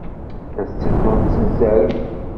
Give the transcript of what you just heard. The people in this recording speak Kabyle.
La tetteddumt s zzerb.